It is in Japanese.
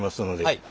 はい。